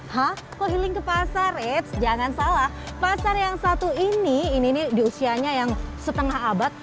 hah kok healing ke pasar eits jangan salah pasar yang satu ini ini di usianya yang setengah abad